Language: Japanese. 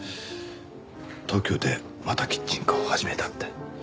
東京でまたキッチンカーを始めたって。